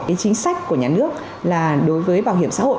cái chính sách của nhà nước là đối với bảo hiểm xã hội